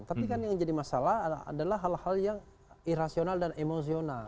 tapi kan yang jadi masalah adalah hal hal yang irasional dan emosional